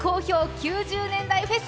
９０年代フェス！